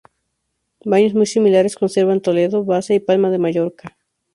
Baños muy similares conservan Toledo, Baza y Palma de Mallorca.